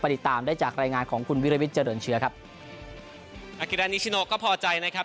ติดตามได้จากรายงานของคุณวิรวิทย์เจริญเชื้อครับอากิรานิชิโนก็พอใจนะครับ